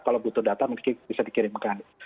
kalau butuh data mesti bisa dikirimkan